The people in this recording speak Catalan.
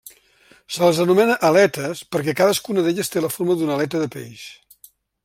Se les anomena aletes perquè cadascuna d'elles té la forma d'una aleta de peix.